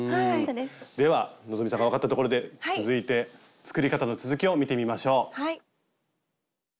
では希さんが分かったところで続いて作り方の続きを見てみましょう。